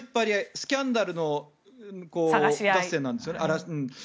スキャンダル合戦なんですよね。